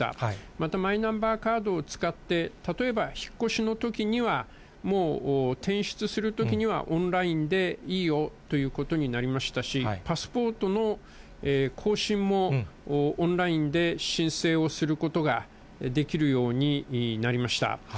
また、マイナンバーカードを使って、例えば引っ越しのときには、もう転出するときにはオンラインでいいよということになりましたし、パスポートの更新も、オンラインで申請をすることができるようになりました。